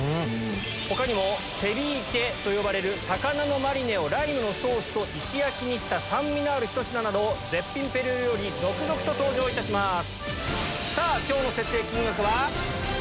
他にもセビーチェと呼ばれる魚のマリネをライムのソースと石焼きにした酸味のあるひと品など絶品ペルー料理続々と登場いたします。